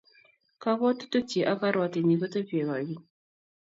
kabwotutikchich ak karwatenyin kotebiei koikeny